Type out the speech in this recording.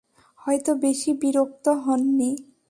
হয়ত বেশি বিরক্ত হননি।